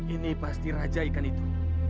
ini pasti raja ikan itu